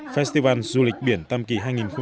festival du lịch biển tam kỳ hai nghìn một mươi chín